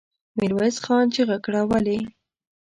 ميرويس خان چيغه کړه! ولې؟